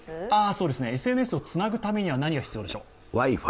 ＳＮＳをつなぐためには何が必要でしょう。